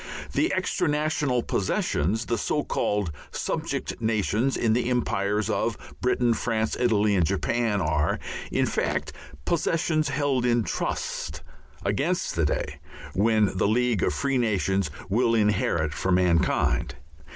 The extra national "possessions," the so called "subject nations" in the Empires of Britain, France, Italy, and Japan, are, in fact, possessions held in trust against the day when the League of Free Nations will inherit for mankind.